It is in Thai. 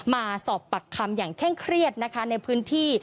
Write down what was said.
มาสอบปักคำอย่างแข้งเครียดในพื้นที่